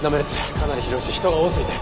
かなり広いし人が多すぎて。